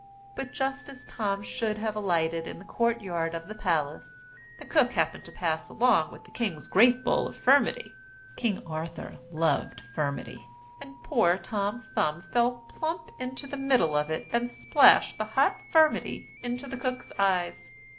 But just as Tom should have alighted in the court yard of the palace, the cook happened to pass along with the king's great bowl of firmity (King Arthur loved firmity), and poor Tom Thumb fell plump into the middle of it and splashed the hot firmity into the cook's eyes.